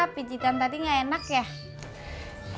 pijitan tadi nggak enak ya